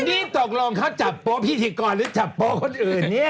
นี่ตกลงเขาจับโป๊พิธีกรหรือจับโป๊คนอื่นเนี่ย